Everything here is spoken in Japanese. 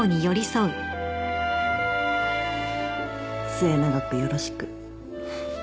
末永くよろしく